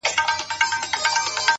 ارمانه اوس درنه ښكلا وړي څوك;